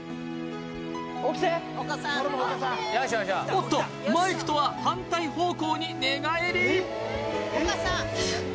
おっとマイクとは反対方向に寝返り！